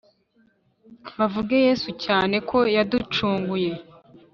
bavuge yesu cyane ko yaducunguye,